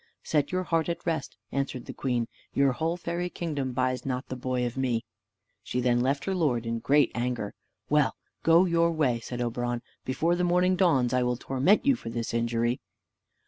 "Set your heart at rest," answered the queen; "your whole fairy kingdom buys not the boy of me." She then left her lord in great anger. "Well, go your way," said Oberon: "before the morning dawns I will torment you for this injury."